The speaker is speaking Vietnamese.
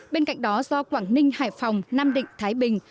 bên cạnh đó do quảng ninh hải phòng nam định thái bình